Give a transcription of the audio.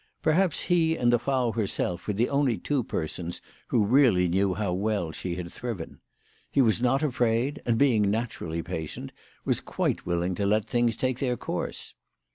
Perhaps he and the Frau herself were the only two persons who really knew how well she had thriven. He was not afraid, and, being naturally patient, was quite willing to let things take their course.